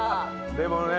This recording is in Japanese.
でもね。